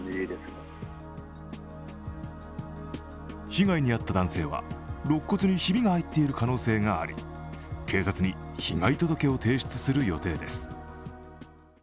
被害に遭った男性は肋骨にひびが入っている可能性があり警察に被害届を提出する予定です。